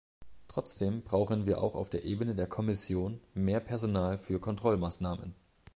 Trotzdem brauchen wir auch auf der Ebene der Kommission mehr Personal für Kontrollmaßnahmen.